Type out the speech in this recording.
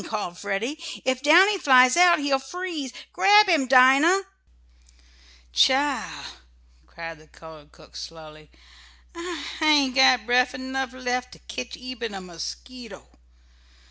called Freddie. "If Downy flies out he'll freeze. Grab him, Dinah!" "Chile!" cried the colored cook slowly, "I ain't got bref enough lef to ketch eben a mosquito.